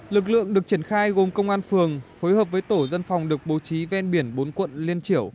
lực lượng được triển khai gồm công an phường phối hợp với tổ dân phòng được bố trí ven biển bốn quận liên triểu